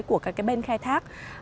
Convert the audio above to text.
của các cái bên khai thác